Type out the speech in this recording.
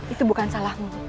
itu bukan salahmu